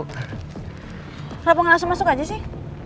kenapa nggak langsung masuk aja sih